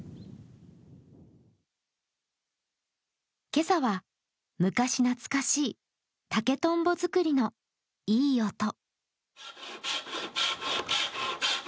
今朝は、昔懐かしい竹とんぼ作りのいい音。